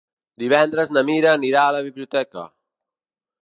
Divendres na Mira anirà a la biblioteca.